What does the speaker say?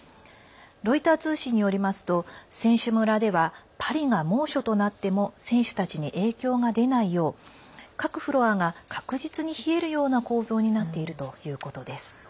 ロイター通信によりますと選手村ではパリが猛暑となっても選手たちに影響が出ないよう各フロアが確実に冷えるような構造になっているということです。